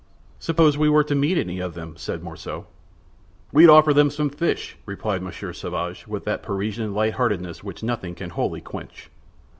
"Suppose we were to meet any of them?" said Morissot. "We'd offer them some fish," replied Monsieur Sauvage, with that Parisian light heartedness which nothing can wholly quench.